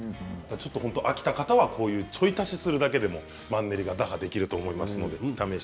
飽きた方はちょい足しするだけでもマンネリ打破できると思います。